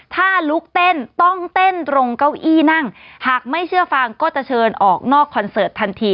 ถ้าลุกเต้นต้องเต้นตรงเก้าอี้นั่งหากไม่เชื่อฟังก็จะเชิญออกนอกคอนเสิร์ตทันที